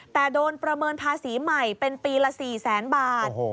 แต่โดนประเมินภาษีใหม่เป็นปีละ๔แสนบาท